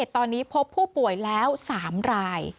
ตอนนี้พบผู้ป่วยแล้ว๓ราย